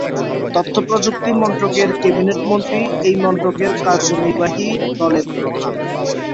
তথ্যপ্রযুক্তি মন্ত্রকের ক্যাবিনেট মন্ত্রী এই মন্ত্রকের কার্যনির্বাহী দলের প্রধান।